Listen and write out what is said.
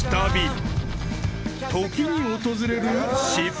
［時に訪れる］